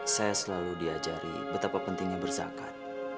saya selalu diajari betapa pentingnya berzakat